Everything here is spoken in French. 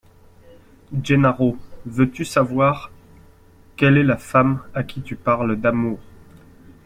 Gennaro! veux-tu savoir quelle est la femme à qui tu parles d’amour?